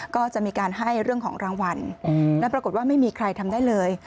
ก็จะมีการให้เรื่องของรางวัลแล้วปรากฏว่าไม่มีใครทำได้เลย